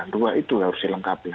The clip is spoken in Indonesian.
dua itu harus dilengkapi